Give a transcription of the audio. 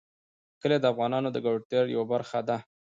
کلي د افغانانو د ګټورتیا یوه برخه ده.